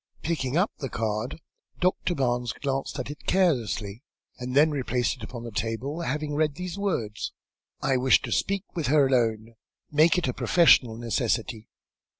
Picking up the card, Doctor Barnes glanced at it carelessly, and then replaced it upon the table, having read these words "I wish to speak with her alone. Make it a professional necessity."